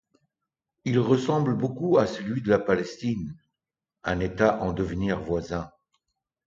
Il ressemble beaucoup à celui de la Palestine, un État en devenir voisin.